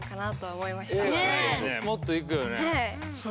もっといくよね。